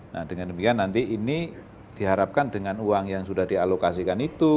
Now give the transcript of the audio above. nah dengan demikian nanti ini diharapkan dengan uang yang sudah dialokasikan itu